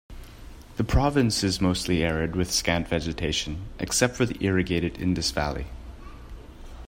The province is mostly arid with scant vegetation except for the irrigated Indus Valley.